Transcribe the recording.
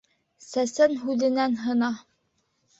Сәсән һүҙенән һына.